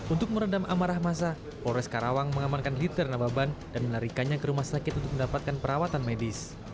untuk meredam amarah masa polres karawang mengamankan liter nababan dan menarikannya ke rumah sakit untuk mendapatkan perawatan medis